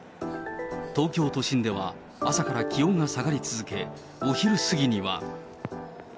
東京都心では朝から気温が下がり続け、お昼過ぎには。